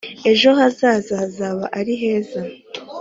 ejo hazaza hazaba ari heza